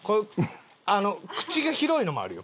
口が広いのもあるよ。